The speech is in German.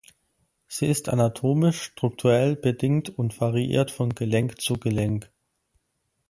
Sie ist anatomisch-strukturell bedingt und variiert von Gelenk zu Gelenk.